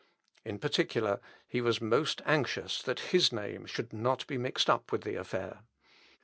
In particular, he was most anxious that his name should not be mixed up with the affair.